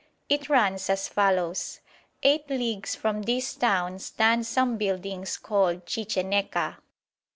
It runs as follows: "Eight leagues from this town stand some buildings called Chicheneca.